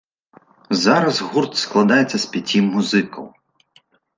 Зараз гурт складаецца з пяці музыкаў.